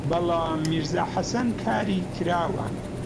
بەڵام «میرزا حەسەن» کاری کراوە